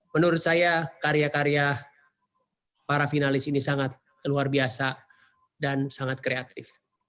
menurut saya karya karya para finalis ini sangat luar biasa dan sangat kreatif